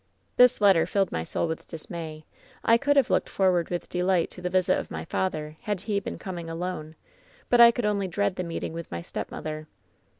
"This letter filled my soul with dismay. I could have looked forward with delight to the visit of my father, had he been coming alone ; but I could only dread the meeting with my stepmother.